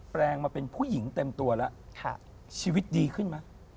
แปลงมาเป็นผู้หญิงเต็มตัวแล้วชีวิตดีขึ้นไหม